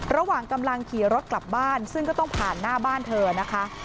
ระหว่างกำลังขี่รถกลับบ้านซึ่งก็ต้องผ่านหน้าบ้านเธอนะคะ